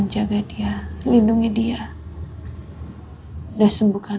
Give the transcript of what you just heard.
ya allah yang maha pengasih dan penyayang